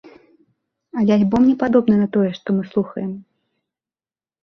Але альбом не падобны на тое, што мы слухаем.